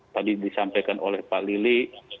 tadi disampaikan oleh pak lili